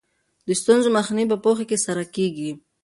د ستونزو مخنیوی په پوهې سره کیږي.